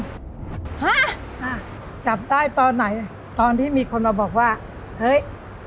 ฮะอ่าจับได้ตอนไหนตอนที่มีคนมาบอกว่าเฮ้ย